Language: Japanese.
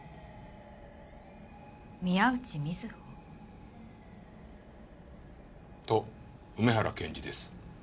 宮内美津保？と梅原検事です。